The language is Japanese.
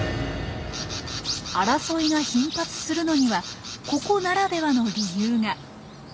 争いが頻発するのにはここならではの理由が。